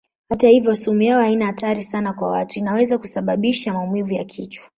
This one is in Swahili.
Hata hivyo sumu yao haina hatari sana kwa watu; inaweza kusababisha maumivu ya kichwa.